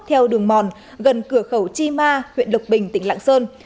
theo đường mòn gần cửa khẩu chi ma huyện lộc bình tỉnh lạng sơn